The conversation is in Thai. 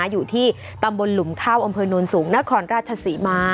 อยู่ที่ตำบลหลุมข้าวอำเภอโนนสูงนครราชศรีมา